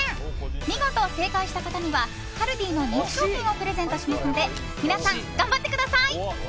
見事正解した方にはカルディの人気商品をプレゼントしますので皆さん頑張ってください。